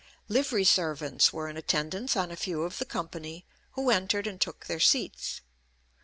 Livery servants were in attendance on a few of the company, who entered and took their seats.